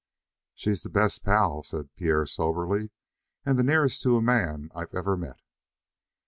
"She's the best pal," said Pierre soberly, "and the nearest to a man I've ever met."